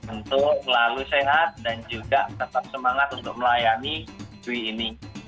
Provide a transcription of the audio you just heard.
untuk selalu sehat dan juga tetap semangat untuk melayani cui ini